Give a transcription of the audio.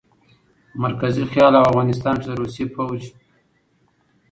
مرکزي خيال او افغانستان کښې د روسي فوج